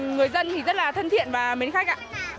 người dân thì rất là thân thiện và mến khách ạ